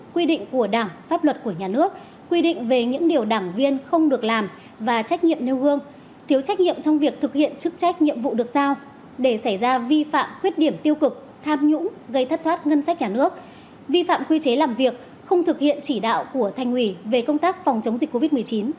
quy định về những điều đảng viên không được làm và trách nhiệm nêu gương thiếu trách nhiệm trong việc thực hiện chức trách nhiệm vụ được giao để xảy ra vi phạm quyết điểm tiêu cực tham nhũng gây thất thoát ngân sách nhà nước vi phạm quy chế làm việc không thực hiện chỉ đạo của thanh hủy về công tác phòng chống dịch covid một mươi chín